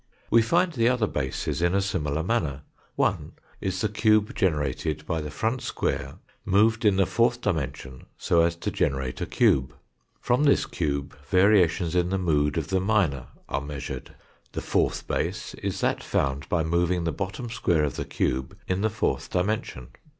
We find the other bases in a similar manner, one is the cube generated by the front square moved in the fourth dimension so as to generate a cube. From this cube variations in the mood of the minor are measured. The fourth base is that found by moving the bottom square of the cube in the fourth dimension.